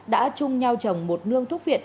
đã chung nhau trồng một nương thuốc viện